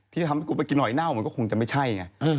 ที่ทำให้กูไปกินหอยเน่ามันก็คงจะไม่ใช่ไง